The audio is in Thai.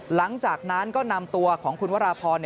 หลังจากนั้นก็นำตัวของคุณวราพร